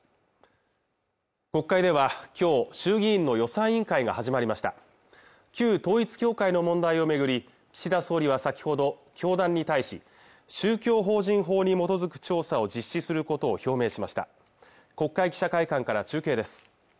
国会では今日衆議院の予算委員会が始まりました旧統一教会の問題を巡り岸田総理は先ほど教団に対し宗教法人法に基づく調査を実施することを表明しました国会記者会館から中継です